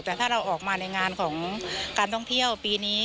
แต่ถ้าเราออกมาในงานของการท่องเที่ยวปีนี้